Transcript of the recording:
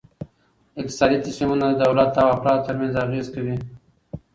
اقتصادي تصمیمونه د دولت او افرادو ترمنځ اغیز کوي.